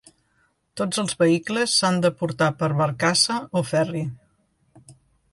Tots els vehicles s'han de portar per barcassa o ferri.